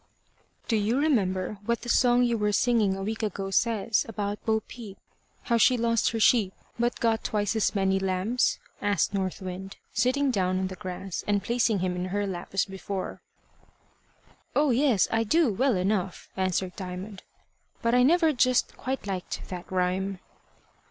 "Do you remember what the song you were singing a week ago says about Bo Peep how she lost her sheep, but got twice as many lambs?" asked North Wind, sitting down on the grass, and placing him in her lap as before. "Oh yes, I do, well enough," answered Diamond; "but I never just quite liked that rhyme."